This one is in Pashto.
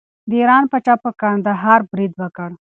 د ایران پاچا پر کندهار برید وکړ.